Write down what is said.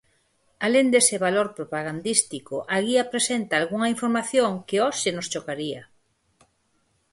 Alén dese valor propagandístico a guía presenta algunha información que hoxe nos chocaría.